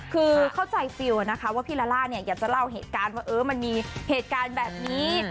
คือเข้าใจฟิลล์นะคะว่าพี่ลาล่าเนี่ยอยากจะเล่าเหตุการณ์ว่ามันมีเหตุการณ์แบบนี้